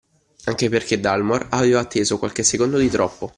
Anche perché Dalmor aveva atteso qualche secondo di troppo